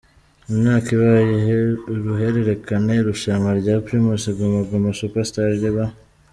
Imyaka ibaye uruhererekane irushanwa rya Primus Guma Guma Super Star riba.